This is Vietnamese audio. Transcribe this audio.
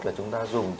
là chúng ta dùng